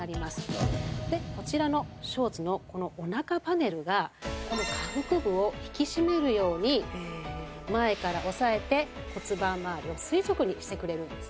でこちらのショーツのこのお腹パネルがこの下腹部を引き締めるように前から押さえて骨盤まわりを垂直にしてくれるんですね。